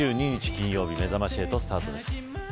金曜日めざまし８スタートです。